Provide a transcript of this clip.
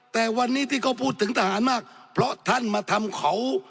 แต่วันนี้ที่เขาพูดถึงทหารมากเพราะท่านมาทำเขา